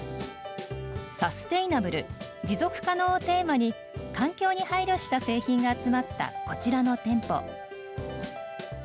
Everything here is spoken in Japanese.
サステイナブル＝持続可能をテーマに環境に配慮した製品が集まったこちらの店舗。